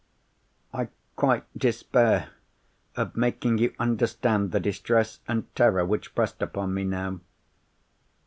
"I quite despair of making you understand the distress and terror which pressed upon me now.